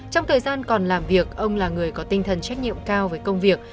trong thời gian còn làm việc ông là người có tinh thần trách nhiệm cao với công việc